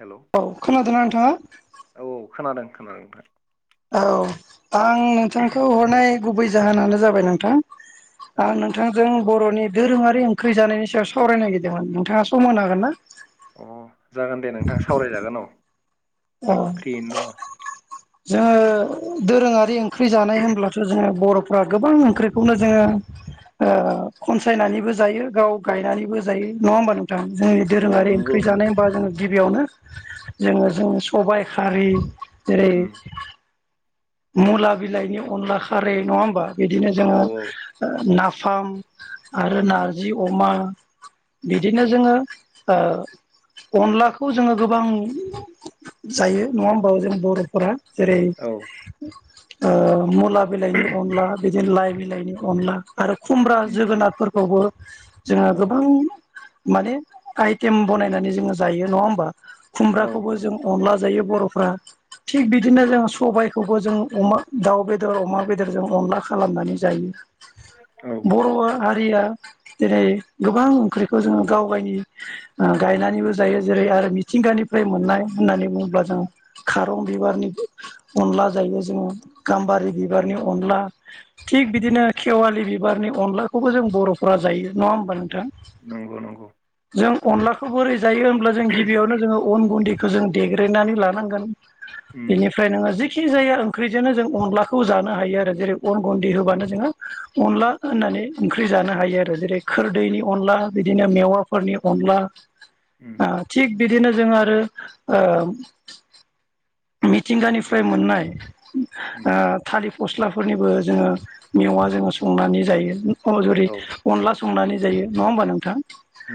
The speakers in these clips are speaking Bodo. हेलोव औ खोनादोंना नोंथाङा? औ खोनादों खोनादों नोंथां। औ आं नोंथांखौ हरनाय गुबै जाहोनानो जाबाय नोंथां औ आं नोंथांजों बर'नि दोरोङारि ओंख्रि जानायनि सायाव सावरायनो नागिरदोंमोन नोंथाङा सम होनो हागोन ना? अ जागोन दे नोंथां सावरायजागोन औ। औ फ्रियैनो दङ जोङो दोरोङारि ओंख्रि जानाय होनब्लाथ' जोङो बर'फ्रा गोबां ओंख्रिखौनो जोङो खनसायनानैबो जायो गाव गायनानैबो जायो नङा होमबा नों थां जोंनि औ दोरोङारि नंगौ ओंख्रि नंगौ जानायबा जोङो गिबियावनो जोङो जों सबाय खारि जेरै उम मुला बिलाइनि अनला खारै नङा होमबा बिदिनो औ जोङो नाफाम आरो उम नारजि अमा बिदिनो उम जोङो ओ अनलाखौ जोङो गोबां जायो नङा होमबा जों बर'फोरा जेरै औ ओ मुला बिलाइनि अनला बिदिनो लाइ बिलाइनि अनला आरो खुमब्रा उम जोगोनारफोरखौबो जोङो औ गोबां माने आइटेम बनायनानै जोङो जायो नङा होमबा? औ खुमब्राखौबो नंगौ जों अनला जायो बर'फ्रा। थिग बिदिनो जों सबायखौबो जों अमा दाउ बेदर अमा बेदर जों अनला खालामनानै जायो। औ बर' हारिया दिनै गोबां ओंख्रिखौ जोङो गाव गायनि ओ गायनानैबो जायो जेरै आरो मिथिंगानिफ्राय मोननाय होननानै बुङोब्ला जों खारं बिबारनि अनला जायो जोङो गाम्बारि बिबारनि अनला। थिग उम बिदिनो खेवालि बिबारनि अनलाखौबो जों बर'फोरा जायो नङा होमबा नोंथां? नंगौ नंगौ। जों अनलाखौ बोरै जायो होनब्ला जों गिबियावनो जोङो अन गुन्दै खो जों देग्रायनानै लानांगोन उम बेनिफ फ्राय नोङो जिखिनि जाया ओंख्रिजोंनो जों अनलाखौ जानो हायो आरो जेरै अन गुन्दै होबानो जोङो अनला होननानै ओंख्रि जानो हायो आरो जेरै खोरदैनि अनला बिदिनो मेवाफोरनि अनला। उम ओ थिग बिदिनो जोङो आरो ओ मिथिंगानिफ्राय मोननाय उम ओ थालि गस्लाफोरनिबो जोङो मेवा जोङो संनानै जायो अ जरि औ अनला संनानै जायो नङा होमबा नोंथां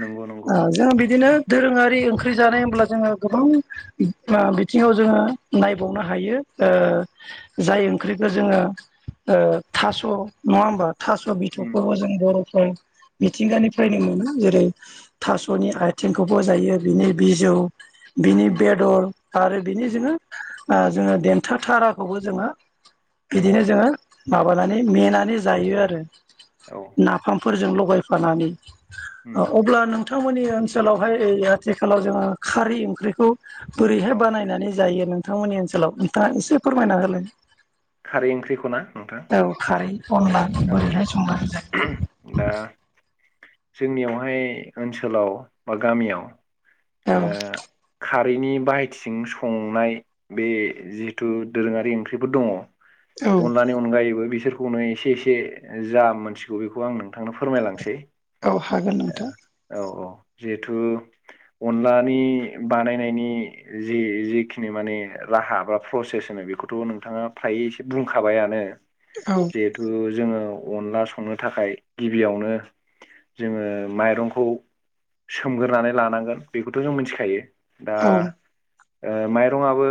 नंगौ नंगौ जों बिदिनो दोरोङारि ओंख्रि जानाय होमब्ला जोङो गोबां ओ बिथिङाव जोङो नायबावनो हायो ओ जाय ओंख्रिखो जोङो ओ थास' नङा होमबा थास' उम बिथ'खौबो जों बर'फ्रा उम मिथिंगानिफ्रायनो मोनो जेरै थास'नि आयथिंखौबो जायो बिनि बिजौ। बिनि उम बेदर आरो बिनि उम जोङो ओ जोङो देन्था थाराखौबो जोङो उम बिदिनो जोङो माबानानै मेनानै जायो आरो। औ नाफामफोरजों लगायफानानै उम ओ अब्ला नों थांमोननि ओनसोलावहाय आथिखालाव जोङो खारै ओंख्रैखौ औ बोरैहाय बानायनानै जायो नोंथांमोननि ओनसोलाव नोंथाङा एसे फोरमायना होलाय? खारै ओंख्रिखौ ना नोंथा? औ खारै अनला। औ बोरैहाय औ। संनानै दा जोंनियावहाय ओनसोलाव बा गामियाव ओ जायो खारैनि बाहायथिजों संनाय बे जिहेथु दोरोङारि ओंख्रिफोर दङ औ अनलानि अनगायैबो बिसोरखौनो एसे एसे से जा मोनथिगौ बेखौ आं नोंथांनो फोरमायलांसै। औ हागोन नोंथां। औ औ जिहेथु अनलानि बानायनायनि जि जिखिनि माने राहा बा प्रसेस होनो बेखौथ' नोंथाङा फ्रायै एसे बुंखाबायानो। औ जिहेथु जोङो अनला संनो थाखाय गिबियावनो जोङो माइरंखौ सोमग्रोनानै लानांगोन बेखौथ' जों मिथिखायो। दा औ ओ माइरं आबो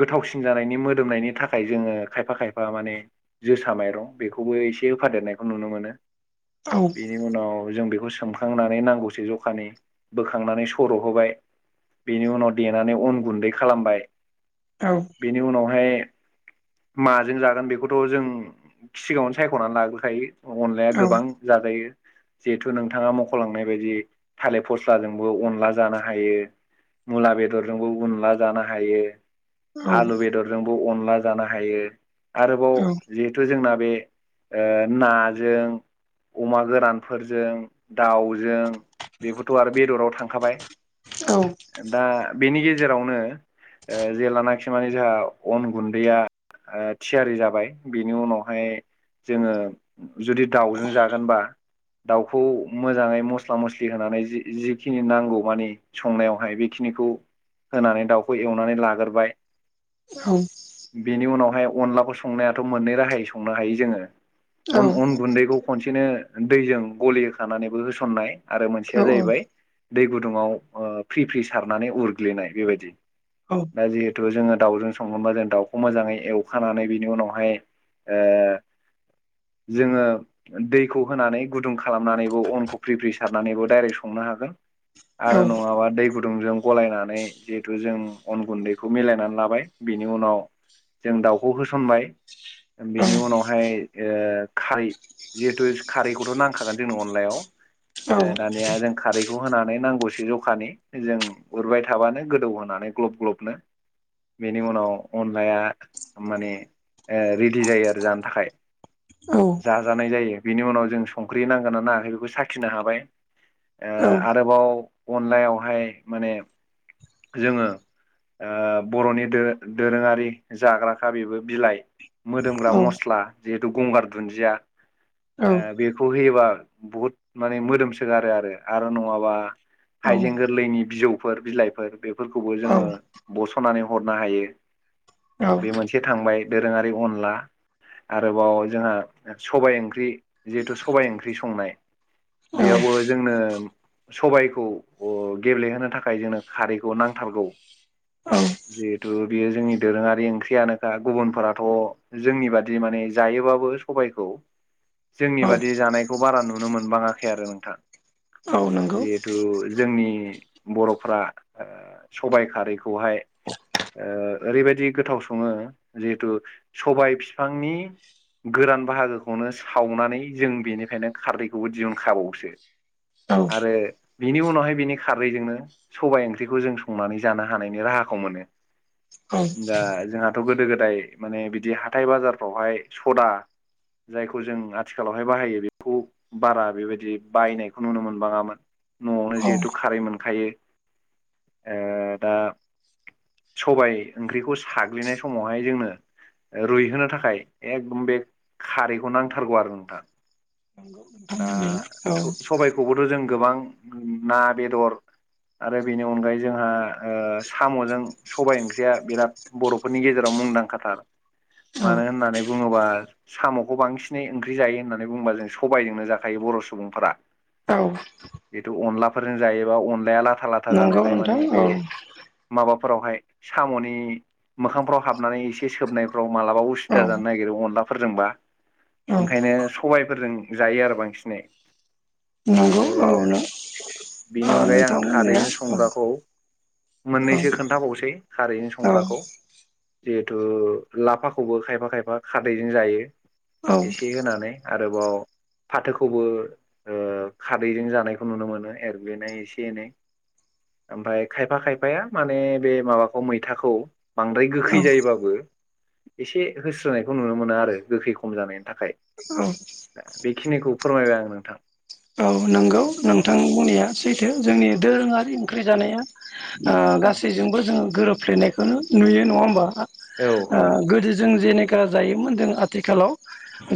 गोथावसिन जानायनि मोदोमनायनि थाखाय जोङो खायफा खायफा माने, जोसा माइरं बेखौबो एसे होफादेरनायखौ नुनो मोनो औ बेनि उनाव जों बेखौ सोमखांनानै नांगौसो जखानि बोखांनानै सर' होबाय बेनि उनाव देनानै उन गुन्दै खालामबाय, औ बेनि उनावहाय माजों जागोन बेखौथ' जों सिगाङावनो सायख'नानै लाग्रोखायो अनलाया औ गोबां जाजायो। जिहेथु नोंथाङा मख'लांनाय बायदि थालिर फस्लाजोंबो अनला जानो हायो। मुला बेदरजोंबो गनला जानो हायो। औ आलु बेदरजोंबो अनला जानो हायो आरोबाव औ जिहेथु जोंना बे ओ नाजों, अमा गोरानफोरजों दाउजों, बेफोरथ' आरो बेदराव थांखाबाय औ दा बेनि गेजेरावनो, ओ जेलानाखि माने जोंहा अन गुन्दैया आ थियारि जाबाय बेनि उनाव ओमफ्राय जोङो जुदि दाउजों जागोनबा, दाउखौ मोजाङै मस्ला मस्लि होनानै जि जिखिनि नांगौ मानि संनायावहाय बेखिनिखौ होनानै दाउखौ एवनानै लाग्रोबाय, औ बेनि उनावहाय अनलाखौ संनायाथ' मोननै राहायै संनो हायो जोङो। अन अन गुन्दैखौ खनसेनो दैजों गलि होखानानैबो होसननाय, आरो मोनसेया जाहैबाय दै गुदुङाव ओ फ्रि फ्रि सारनानै उरग्लिनाय बेबायदि औ दा जिहेतु जोङो दाउजों सङोबा जों दाउखौ मोजाङै एवखानानै बिनि उनावहाय, ओ जोङो, दैखौ होनानै गुदुं खालामनानैबो अनखौ फ्रि फ्रि सारनानैबो डायरेक्ट संनो हागोन, आरो नङाबा दै गुदुंजों, गलायनानै जिहेथु जों अन गुन्दैखौ मिलायनानै लाबाय बिनि उनाव जों दाउखौ होसनबाय बेनि उनावहाय ओ खारै जिहेथु खारैखौथ' नांखागोन जोंनि अनलायाव ओ दानिया जों खारैखौ होनानै नांगौसो जखानि जों उरबाय थाबानो गोदौ होनानै ग्लब ग्लबनो, बेनि उनाव अनलाया माने ओ, रेडि जायो आरो जानो थाखाय, औ जाजानाय जायो बिनि उनाव जों संख्रि नांगोनना नाङाखै बेखौ साखिनो हाबाय, ओ आरोबाव अनलायावहाय माने जोङो, ओ बर'नि दोरो दोरोङारि जाग्राखा बेबो बिलाइ, मोदोमग्रा मस्ला जिहेथु गंगार दुन्दिया ओ बेखौ होयोबा, बहुद माने मोदोमसोगारो आरो आरो नङाबा, हाइजें गोरलैनि बिजौफोर बिलाइफोर बेफोरखौबो जोङो बस'नानै हरनो हायो। औ बे मोनसे थांबाय दोरोङारि अनला आरोबाव जोंहा सबाइ ओंख्रि जिहेथु सबाइ ओंख्रि संनाय औ बेयावबो जोंनो सबायखौ गेब्लेहोनो थाखाय जोंनो खारैखौ नांथारगौ। जिहेथु बेयो जोंनि दोरोङारि ओंख्रियानोखा। गुबुनफोराथ' जोंनि बादि माने जायोबाबो सबायखौ जोंनि औ बादि जानायखौ बारा नुनो मोनबाङाखै आरो नोंथां। औ नंगौ जिहेथु जोंनि बर'फ्रा ओ सबाइ खारैखौहाय ओरैबायादि गोथाव सङो जिहेथु सबाय फिफांनि गोरान बाहागोखौनो सावनानै जों बेनिफ्रायनो खारदैखौबो दिहुनखाबावसो। औ आरो बिनि उनावहाय बिनि खारैजोंनो सबाइ ओंख्रिखौ जों संनानै जानो हानायनि राहाखौ मोनो। औ दा जोंहाथ' गोदो गोदाय माने बिदि हाथाय बाजारफ्रावहाय सदा जायखौ जों आथिखालावहाय बाहायो बेखौ बारा बेबायदि बायनायखौ नुनो मोनबाङामोन। न'आवनो औ जिहेथु खारै मोनखायो। ओ दा सबाय ओंख्रिखौ साग्लिनाय समावहाय जोंनो रुइहोनो थाखाय एकदम बे खारैखौ नांथारगौ आरो नोंथाङा। औ दा स-सबायखौबोथ' जों गोबां ना बेदर आरो बेनि अनगायै जोंहा ओ साम'जों सबाइ ओंख्रिया बिराद बर'फोरनि गेजेराव मुंदांखाथार। औ मानो होननानै बुङोबा साम'खौ बांसिनै ओंख्रि जायो होननानै बुंङोबा जों सबायजोंनो जाखायो बर' सुबुंफोरा। औ जिथु अनलाफोरजों जायोबा अनलाया लाथा लाथा नंगौ जानायलाय माने नोंथां औ बे माबाफोरावहाय साम'नि मोखांफ्राव हाबनानै एसे सोबनायफ्राव मालाबा औ उसुबिदा जानो नागिरो अनलाफोरजोंबा औ ओंखायनो सबायफोरजों जायो आरो बांसिनै। नंगौ औ नों ओ बिनि अनगायै आं नोंथां बुंनाया खारैजों औ संग्राखौ औ मोननैसो खोनथाबावसै खारैजों औ संग्राखौ। जिहेथु लाफाखौबो खायफा खायफा खारादैजों जायो औ एसे होनानै। आरोबाव फाथोखौबो ओ खारदैजों जानायखौ नुनो मोनो एरग्लिनाय एसे एनै। ओमफा खायफा खायफाया माने बे माबाखौ मैथाखौ बांद्राय गोखै जायोबाबो एसे होस्रोनायखौ नुनो मोना आरो गोखै खम जानायनि थाखाय। औ बेखिनिखौ फोरमायबाय आं नोंथां। औ नंगौ औ नोंथां बुंनाया सैथो। जोंनि दोरोङारि ओंख्रि जानाया ओ गासैजोंबो जोङो गोरोबफ्लेनायखौनो नुयो नङा होमबा। औ ओ औ गोदो जों जेनेखा जायोमोन जों आथिखालाव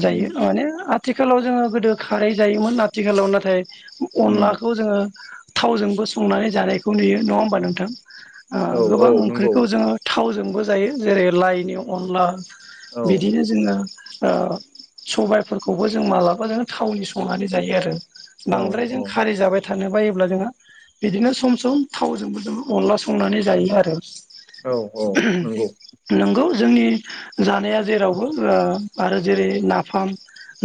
जायो उम माने आथिखालाव जोङो गोदो खारै जायोमोन। आथिखालाव नाथाय उम अनलाखौ जोङो थावजोंबो संनानै जानायखौ नुयो। नङा होनबा नोंथां? औ औ गोबां नंगौ ओंख्रिखौ जोङो थावजोंबो जायो जेरै लाइनि औ अनला औ बिदिनो जोङो ओ सबायफोरखौबो जों मालाबा जों थावनि संनानै जायो आरो। औ बांद्राय जों खारि जाबाय थानो बायोब्ला जोङो बिदिनो सम सम थावजोंबो जों अनला संनानै जायो आरो। औ औ नंगौ नंगौ जोंनि जानाया जेरावबो आरो जेरै ओ नाफाम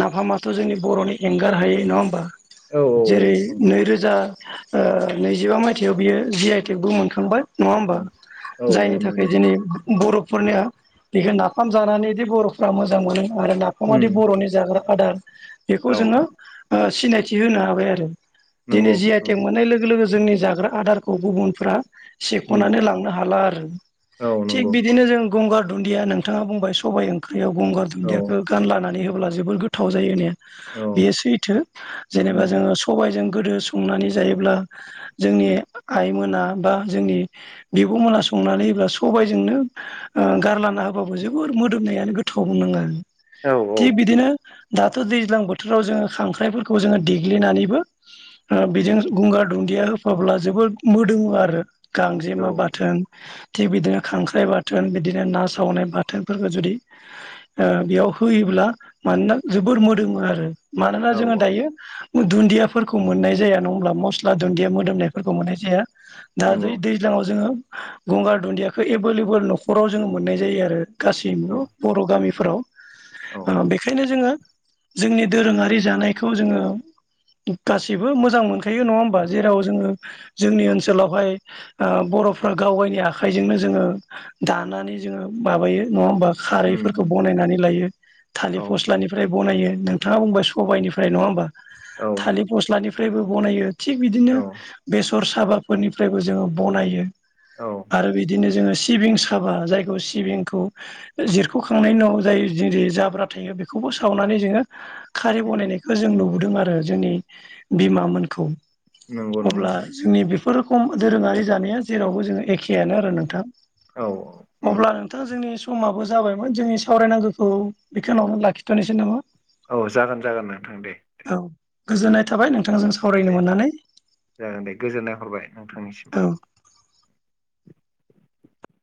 नाफामाथ' जोंनि बर'नि एंगार हायै नङा होमबा? औ औ जेरै नैरोजा ओ नैजिबा मायथाइयाव बियो जि आइ टेगबो मोनखांबाय। नङा औ होमबा? औ जायनि औ थाखाय नंगौ दिनै बर'फोरनिया बेखौ नाफाम जानानैदि बर'फ्रा मोजां मोनो आरो नाफामादि उम बर'नि जाग्रा आदार बेखौ औ जोङो ओ सिनायथि होनो हाबाय आरो दिनै नंगौ जि आइ औ टेग मोननाय लोगो लोगो जोंनि जाग्रा आदारखौ गुबुनफ्रा उम सेख'नानै लांनो हाला आरो। औ थिग नंगौ बिदिनो जों गंगार दुन्दिया नोंथाङा बुंबाय सबाइ ओंख्रियाव गंगार औ दुन्दियाखो गानलानानै होब्ला जोबोर गोथाव जायो होननाया औ बेयो सैथो। जेनेबा उम जोङो सबायजों गोदो संनानै जायोब्ला जोंनि आइमोना बा जोंनि बिबुं होना संनानै एबा सबायजोंनो ओ गारलाना होबाबो जोबोर मोदोमनायानो गोथाव बुंनाङा आरो औ थिग बिदिनो दाथ' दैज्लां बोथोराव जोङो खांख्राइफोर खौ जोङो देग्लिनानैबो ओ बेजों उम गंगार दुन्दिया अब्ला जोबोद मोदोम आरो गांजेमा औ बाथोन थिग बिदिनो खांख्राइ बाथोन बिदिनो ना सावनाय बाथोनफोरखौ जुदि ओ बेयाव होयोब्ला मानोना जोबोर मोदोम आरो मानोना औ जोङो औ दायो दुन्दियाफोरखौ मोननाय जाया नङा ओमब्ला मस्ला दुन्दिया मोदोमनायफोरखौ मोननाय जाया। दा दै नंगौ दैज्लाङाव जोङो गंगार दुन्दियाखौ एभेलेबोल न'खराव जोङो मोननाय जायो आरो औ गासैमबो बर' गामिफोराव औ ओ बेखायनो जोङो जोंनि दोरोङारि जानाय खौ जोङो गासिबो मोजां मोनखायो नङा ओमबा जेराव जोङो जोंनि औ ओनसोलावहाय ओ बर'फ्रा गावगायनि आखाइजोंनो जोङो दानानै जोङो माबायो नङा ओमबा? उम खारैफोरखौ उम बनायनानै लायो थालिर औ फस्लानिफ्राय बनायो नोंथाङा बुंबाय सबाइनिफ फ्राय नङा ओमबा थालिर फस्लानिफ्रायबो बनायो थिग बिदिनो औ बेस सर साबाफोरनिफ्रायबो जोङो बनायो औ आरो बिदिनो जोङो सि सिबिं साबा जायखौ सिबिंखौ जिरख'खांनायनि उनाव जाय जेरै जाब्रा थायो बेखौबो सावनानै जोङो खारि उम बनायनायखौ जों नुबोदों आरो जोंनि बिमामोनखौ। नंगौ नंगौ अब्ला जोंनि बेफोर रखम दोरोङारि जानाया जेरावबो जोङो एखेयानो आरो नोंथां। औ नंगौ अब्ला नोंथां जोंनि समाबो जाबायमोन जोंनि सावरायनांगौखौ बेखिनियावनो लाखिथ'नोसै नामा? औ जागोन जागोन नोंथां दे। औ गोजोननाय थाबाय नोंथांजों सावरायनो दे मोननानै। जागोन दे गोजोननाय हरबाय नोंथांनिसिमबो। औ